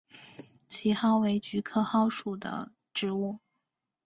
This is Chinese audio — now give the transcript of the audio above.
奇蒿为菊科蒿属的植物。